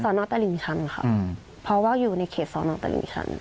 สนตลิงชันครับเพราะว่าอยู่ในเคสสนตลิงชัน